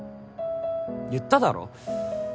言っただろ？